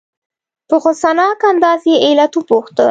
په غصناک انداز یې علت وپوښته.